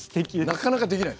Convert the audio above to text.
なかなかできない。